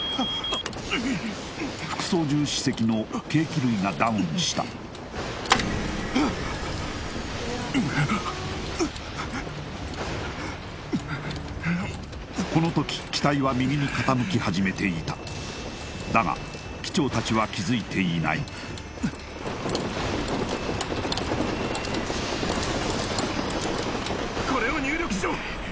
副操縦士席の計器類がダウンしたこの時機体は右に傾きはじめていただが機長達は気づいていないこれを入力しろ！